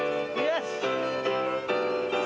よし！